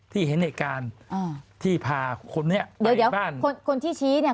ที่เห็นเหตุการณ์อ่าที่พาคนนี้ไปบ้านเดี๋ยวคนที่ชี้เนี่ย